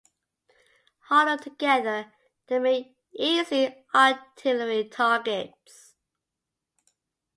Huddled together, they made easy artillery targets.